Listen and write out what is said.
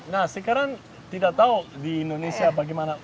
nah sekarang tidak tahu di indonesia bagaimana